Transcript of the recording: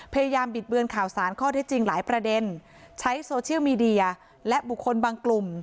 บิดเบือนข่าวสารข้อเท็จจริงหลายประเด็นใช้โซเชียลมีเดียและบุคคลบางกลุ่ม